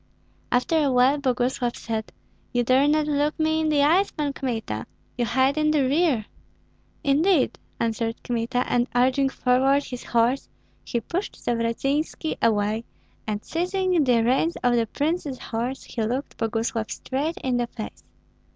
After a while Boguslav said, "You dare not look me in the eyes, Pan Kmita; you hide in the rear." "Indeed!" answered Kmita; and urging forward his horse, he pushed Zavratynski away, and seizing the reins of the prince's horse, he looked Boguslav straight in the face.